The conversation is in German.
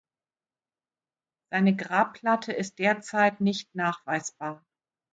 Seine Grabplatte ist derzeit nicht nachweisbar.